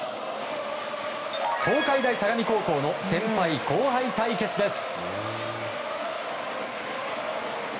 東海大相模高校の先輩後輩対決です。